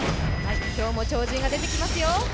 今日も超人が出てきますよ。